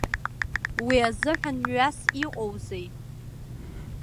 Уи азыҳәан мҩас иҟоузеи?